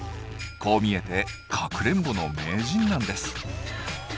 こう見えてかくれんぼの名人なんです。